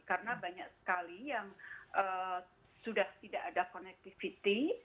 karena banyak sekali yang sudah tidak ada konektivitas